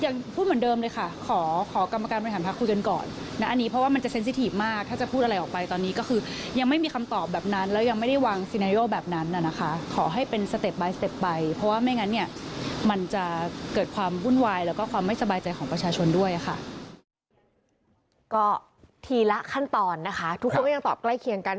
ก็ทีละทีละขั้นตอนนะคะทุกคนก็ยังตอบใกล้เคียงกัน